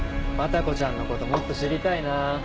バタコちゃんのこともっと知りたいな。